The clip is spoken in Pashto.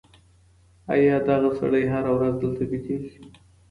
آیا دغه سړی هره ورځ دلته بېدېږي؟